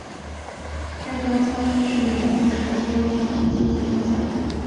该雕像亦是美国首座李小龙纪念雕像。